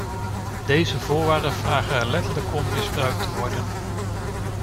Deze voorwaarden vragen er letterlijk om misbruikt te worden.